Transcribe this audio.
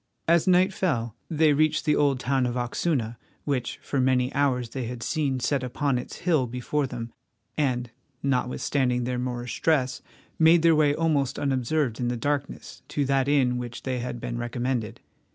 As night fell they reached the old town of Oxuna, which for many hours they had seen set upon its hill before them, and, notwithstanding their Moorish dress, made their way almost unobserved in the darkness to that inn to which they had been recommended.